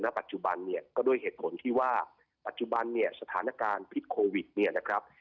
ปัจจุบันเนี่ยก็ด้วยเหตุผลที่ว่าปัจจุบันเนี่ยสถานการณ์พิษโควิดเนี่ยนะครับ